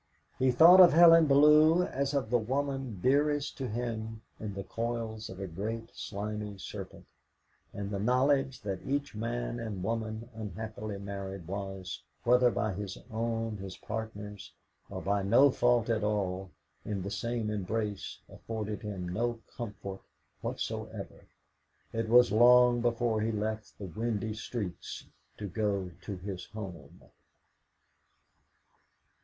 He thought of Helen Bellew as of the woman dearest to him in the coils of a great slimy serpent, and the knowledge that each man and woman unhappily married was, whether by his own, his partner's, or by no fault at all, in the same embrace, afforded him no comfort whatsoever. It was long before he left the windy streets to go to his home.